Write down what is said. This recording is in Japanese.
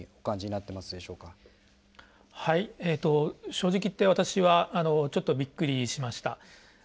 正直言って私はちょっとびっくりしました。